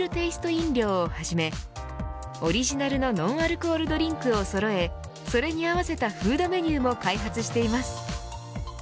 飲料をはじめオリジナルのノンアルコールドリンクをそろえそれに合わせたフードメニューも開発しています。